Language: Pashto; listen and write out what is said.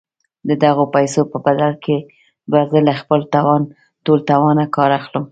د دغو پيسو په بدل کې به زه له خپل ټول توانه کار اخلم.